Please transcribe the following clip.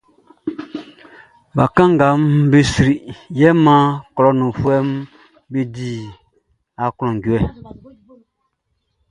Bakannganʼm be srilɛʼn yo maan klɔʼn i nunfuɛʼm be di aklunjuɛ.